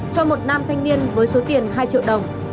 cho một nam thanh niên với số tiền hai triệu đồng